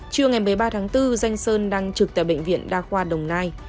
trưa ngày một mươi ba tháng bốn danh sơn đang trực tại bệnh viện đa khoa đồng nai